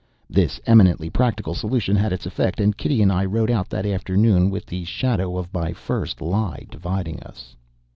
This eminently practical solution had its effect; and Kitty and I rode out that afternoon with the shadow of my first lie dividing us.